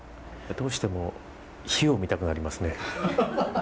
どうしても火を見たくなりますね。